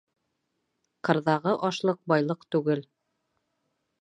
Ҡырҙағы ашлыҡ байлыҡ түгел